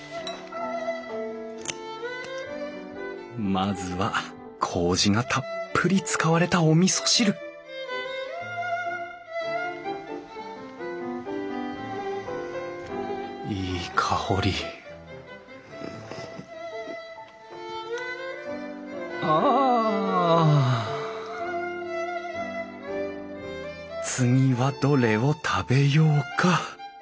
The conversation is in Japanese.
まずはこうじがたっぷり使われたおみそ汁いい香りあ次はどれを食べようか。